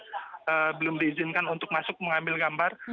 tidak bisa belum diizinkan untuk masuk mengambil gambar